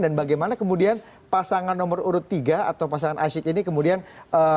dan bagaimana kemudian pasangan nomor urut tiga atau pasangan asyik ini kemudian tampil untuk menjawab